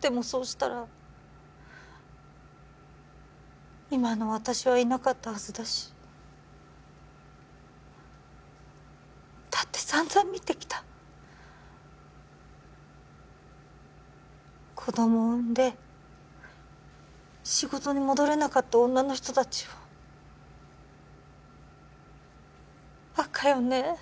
でもそうしたら今の私はいなかったはずだしだってさんざん見てきた子供産んで仕事に戻れなかった女の人達をバカよね